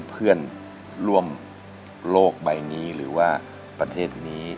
เพื่อนร่วมโลกใบนี้หรือว่าประเทศนี้